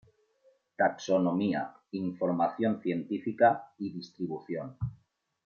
Taxonomía, información científica y distribución